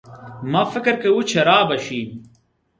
ما فکر کاوه چي رابه شي.